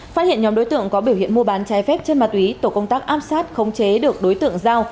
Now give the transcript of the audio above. phát hiện nhóm đối tượng có biểu hiện mua bán trái phép chất ma túy tổ công tác áp sát khống chế được đối tượng giao